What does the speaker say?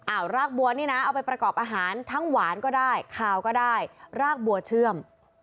รากบัวนี่นะเอาไปประกอบอาหารทั้งหวานก็ได้คาวก็ได้รากบัวเชื่อม